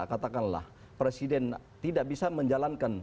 katakanlah presiden tidak bisa menjalankan